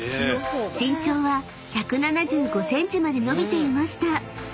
［身長は１７５ｃｍまで伸びていました］